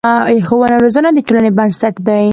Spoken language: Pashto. ښوونه او روزنه د ټولنې بنسټ دی.